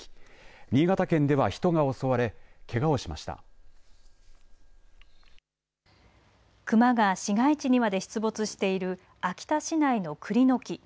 新潟県では人が襲われ熊が市街地にまで出没している秋田市内のくりの木。